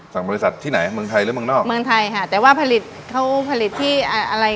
สั่งบริษัทที่ไหนเมืองไทยหรือเมืองนอกเมืองไทยค่ะแต่ว่าผลิตเขาผลิตที่อ่าอะไร